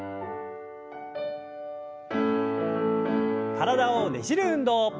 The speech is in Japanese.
体をねじる運動。